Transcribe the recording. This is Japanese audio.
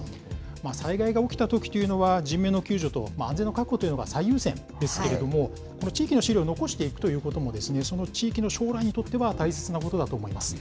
災害が起きたときというのは人命の救助と安全の確保というのが最優先ですけれども、地域の資料を残していくということも、その地域の将来にとっては、大切なことだと思います。